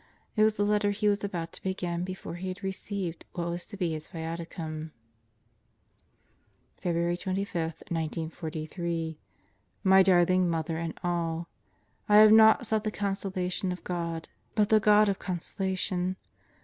It was the letter he was about to begin before he had received what was to be his Viaticum. February 25, 1943 My Darling Mother and All: I have not sought the consolation of God, but the God of consolation.